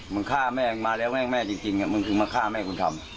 มึงฆ่าแม่มาแล้วแม่จริงมึงคือมาฆ่าแม่คุณธรรม